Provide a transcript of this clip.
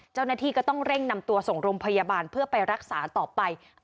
เจ้าหน้าที่ก็ต้องเร่งนำตัวส่งโรงพยาบาลเพื่อไปรักษาต่อไป